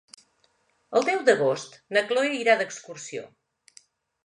El deu d'agost na Cloè irà d'excursió.